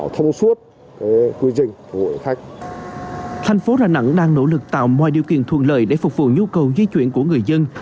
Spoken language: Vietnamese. thành phố đà nẵng đang nỗ lực tạo mọi điều kiện thuận lợi để phục vụ nhu cầu di chuyển của người dân